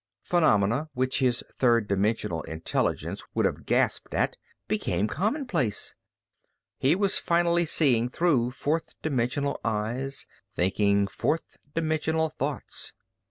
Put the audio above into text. Phenomena, which his third dimensional intelligence would have gasped at, became commonplace. He was finally seeing through fourth dimensional eyes, thinking fourth dimensional thoughts.